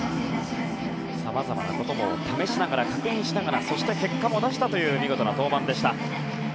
さまざまなことを試しながら確認しながらそして結果も出したという見事な登板でした。